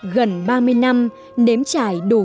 gần ba mươi năm nếm trải đủ